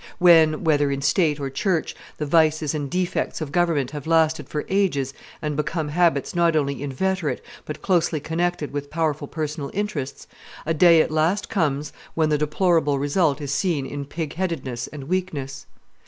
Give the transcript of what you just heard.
When, whether in state or church, the vices and defects of government have lasted for ages and become habits not only inveterate but closely connected with powerful personal interests, a day at last comes when the deplorable result is seen in pig headedness and weakness.